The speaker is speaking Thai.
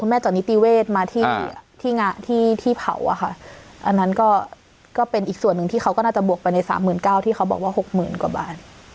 คุณแม่จากนิติเวศมาที่ที่งะที่ที่เผาอ่ะค่ะอันนั้นก็ก็เป็นอีกส่วนหนึ่งที่เขาก็น่าจะบวกไปในสามหมื่นเก้าที่เขาบอกว่าหกหมื่นกว่าบาท